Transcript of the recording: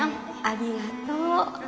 ありがとう。